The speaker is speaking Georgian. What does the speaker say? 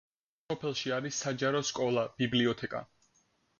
სოფელში არის საჯარო სკოლა, ბიბლიოთეკა.